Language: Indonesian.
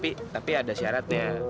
eh tapi ada syaratnya